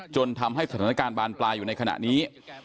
จนทำให้สถานการณ์บานปลายอยู่ในขณะนี้